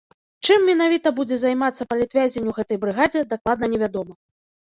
Чым менавіта будзе займацца палітвязень у гэтай брыгадзе, дакладна не вядома.